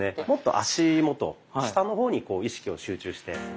もっと足元下の方に意識を集中して。